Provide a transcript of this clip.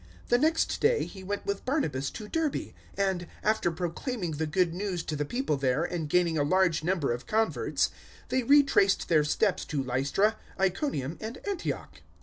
The next day he went with Barnabas to Derbe; 014:021 and, after proclaiming the Good News to the people there and gaining a large number of converts, they retraced their steps to Lystra, Iconium, and Antioch.